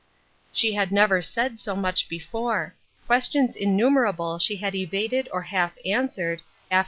She had never said so much before ; questions innumerable she had evaded or half answered, after